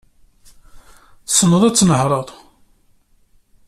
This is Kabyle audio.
Tesneḍ ad tnehreḍ?